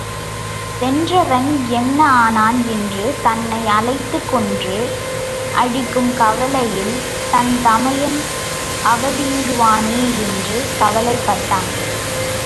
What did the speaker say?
சென்றவன் என்ன ஆனான் என்று தன்னை அலைத்துக் கொன்று அழிக்கும் கவலையில் தன் தமையன் அவதியுறுவானே என்று கவலைப்பட்டான்.